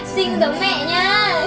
xinh giống mẹ nha